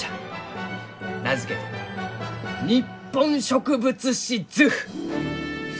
名付けて「日本植物志図譜」。